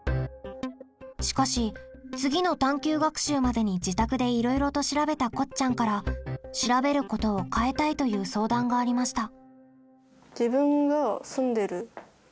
しかし次の探究学習までに自宅でいろいろと調べたこっちゃんから「調べること」を変えたいという相談がありました。